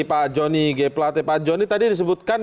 pak jonny g platin pak jonny tadi disebutkan